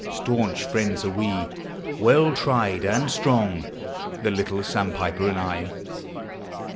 Stanch friends are we, weli tried and strong, The little sandpiper and I.